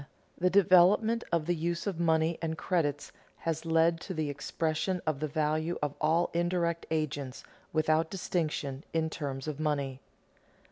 _The development of the use of money and credit has led to the expression of the value of all indirect agents, without distinction, in terms of money.